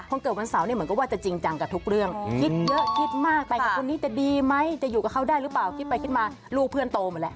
คนเกิดวันเสาร์เนี่ยเหมือนกับว่าจะจริงจังกับทุกเรื่องคิดเยอะคิดมากไปกับคนนี้จะดีไหมจะอยู่กับเขาได้หรือเปล่าคิดไปคิดมาลูกเพื่อนโตมาแล้ว